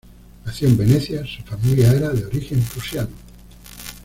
Nacido en Venecia, su familia era de origen prusiano.